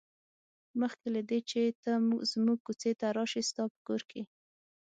مخکې له دې چې ته زموږ کوڅې ته راشې ستا په کور کې.